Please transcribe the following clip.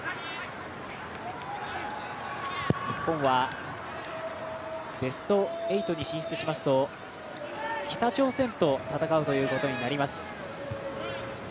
日本はベスト８に進出しますと北朝鮮と戦うということになります。